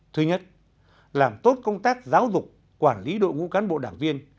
thứ nhất làm tốt công tác giáo dục quản lý đội ngũ cán bộ đảng viên